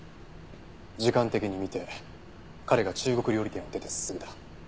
時間的に見て彼が中国料理店を出てすぐだ。